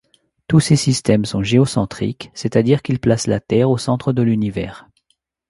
Tous ces systèmes sont géocentriques, c'est-à-dire qu'ils placent la Terre au centre de l'Univers.